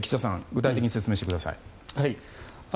具体的に説明してください。